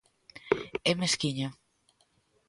É mesquiño.